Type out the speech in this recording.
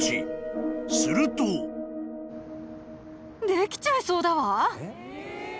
［すると］できちゃいそうだわ。